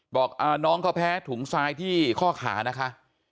บอกน้องเขาแพ้ถุงทรายที่ข้อขานะคะ